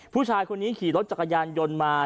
ผู้ชายคนนี้ขี่รถจักรยานยนต์มา